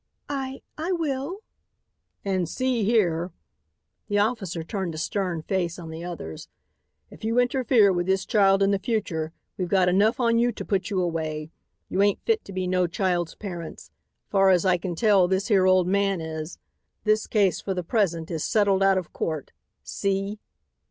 "I I will." "And see here," the officer turned a stern face on the others, "if you interfere with this child in the future, we've got enough on you to put you away. You ain't fit to be no child's parents. Far as I can tell, this here old man is. This case, for the present, is settled out of court. See!"